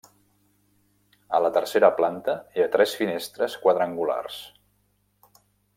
A la tercera planta hi ha tres finestres quadrangulars.